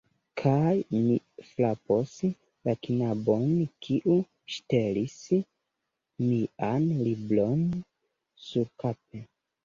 Kaj mi frapos la knabon kiu ŝtelis mian libron surkape